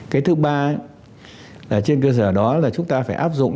cái thứ ba là trên cơ sở đó là chúng ta phải áp dụng